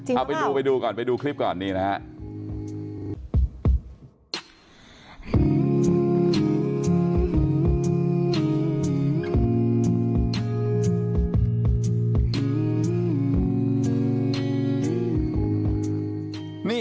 เอาไปดูไปดูก่อนไปดูคลิปก่อนนี่นะฮะ